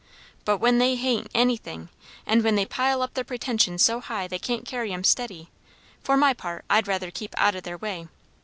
But when they hain't anything and when they pile up their pretensions so high they can't carry 'em steady for my part I'd rather keep out o' their way.